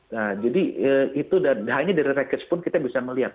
nah jadi itu dan hanya dari rekes pun kita bisa melihat